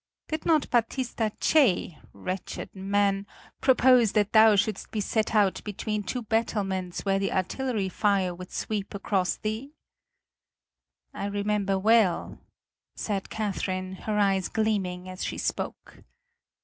Did not Battista Cei wretched man! propose that thou shouldst be set out between two battlements where the artillery fire would sweep across thee?" "I remember well," said Catherine, her eyes gleaming as she spoke.